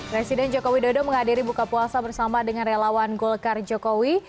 presiden jokowi dodo menghadiri buka puasa bersama dengan relawan golkar jokowi